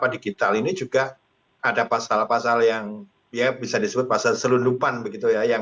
digital ini juga ada pasal pasal yang ya bisa disebut pasal selundupan begitu ya yang